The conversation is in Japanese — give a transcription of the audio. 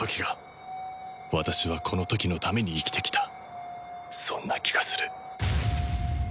私はこの時のために生きてきたそんな気がする